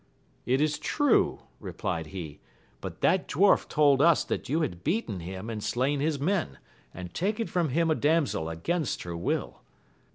It is true, replied he, but that dwarf told us that you had beaten him and slain his men, and taken from him a damsel against her will.